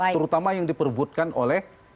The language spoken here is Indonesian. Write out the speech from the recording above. terutama yang diperbutkan oleh